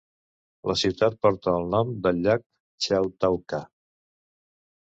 La ciutat porta el nom del llac Chautauqua.